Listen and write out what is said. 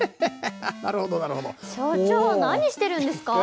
所長何してるんですか？